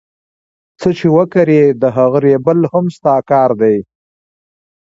څه چي وکرې د هغه رېبل هم ستا کار دئ.